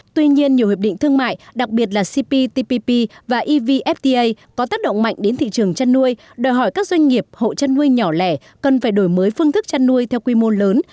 tức là cptpp và evfta có tác động mạnh đến thị trường chân nuôi đòi hỏi các doanh nghiệp hộ chân nuôi nhỏ lẻ cần phải đổi mới phương thức chân nuôi theo quy mô lớn